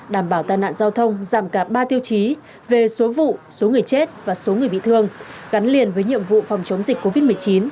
đảm bảo tai nạn giao thông giảm cả ba tiêu chí về số vụ số người chết và số người bị thương gắn liền với nhiệm vụ phòng chống dịch covid một mươi chín